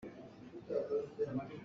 Mi or a si.